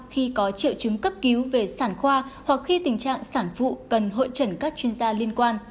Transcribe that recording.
khi có triệu chứng cấp cứu về sản khoa hoặc khi tình trạng sản phụ cần hội trần các chuyên gia liên quan